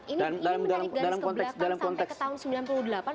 ini menarik garis ke belakang sampai ke tahun seribu sembilan ratus sembilan puluh delapan